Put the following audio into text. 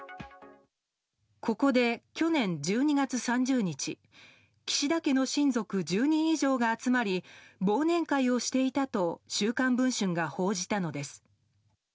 ここで去年１２月３０日岸田家の親族１０人以上が集まり忘年会をしていたと「週刊文春」が報じたのです。